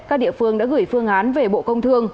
các địa phương đã gửi phương án về bộ công thương